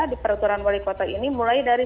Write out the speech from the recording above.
di peraturan wali kota ini mulai dari